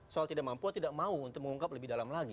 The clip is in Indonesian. soal tidak mampu atau tidak mau untuk mengungkap lebih dalam lagi